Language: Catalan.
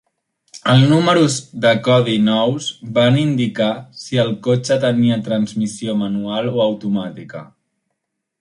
El números de codi nous van indicar si el cotxe tenia transmissió manual o automàtica.